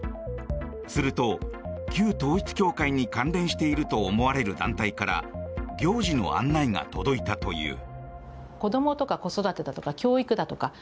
すると、旧統一教会に関連していると思われる団体から行事の案内が届いたという。